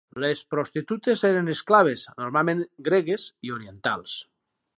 Les prostitutes eren esclaves, normalment gregues i orientals.